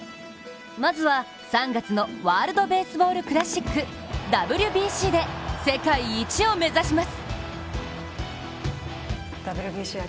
まずは３月のワールドベースボールクラシックＷＢＣで世界一を目指します。